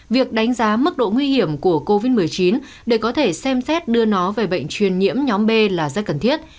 việc đánh giá mức độ nguy hiểm của covid một mươi chín để có thể xem xét đưa nó về bệnh truyền nhiễm nhóm b là rất cần thiết